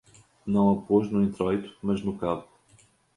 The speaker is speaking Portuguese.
não a pôs no intróito, mas no cabo